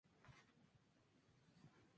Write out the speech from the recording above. Ya en el gobierno del Gral.